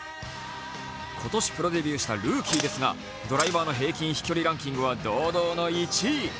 今年プロデビューしたルーキーですがドライバーの平均飛距離ランキングは堂々の１位。